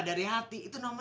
beli es buah